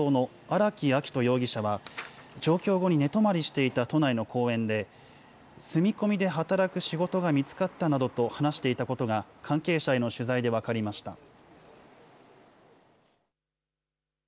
監禁の疑いで逮捕された職業不詳の荒木秋冬容疑者は、上京後に寝泊まりしていた都内の公園で、住み込みで働く仕事が見つかったなどと話していたことが関係者への取材で分かりました。